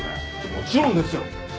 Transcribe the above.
もちろんですよ！